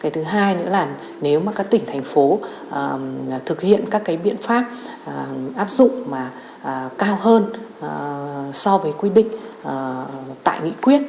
thứ hai nếu các tỉnh thành phố thực hiện các biện pháp áp dụng cao hơn so với quy định tại nghị quyết